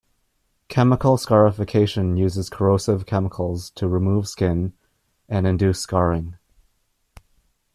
Chemical scarification uses corrosive chemicals to remove skin and induce scarring.